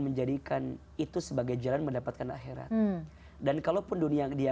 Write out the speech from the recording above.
pemirsa jangan kemana mana